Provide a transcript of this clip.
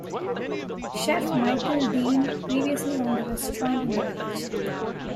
Chef Michael Deane previously owned a restaurant in the village.